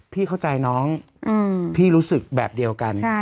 พี่เข้าใจน้องพี่รู้สึกแบบเดียวกัน